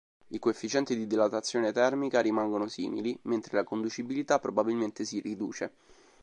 I coefficienti di dilatazione termica rimangono simili, mentre la conducibilità probabilmente si riduce.